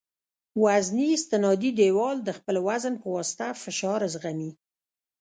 وزني استنادي دیوال د خپل وزن په واسطه فشار زغمي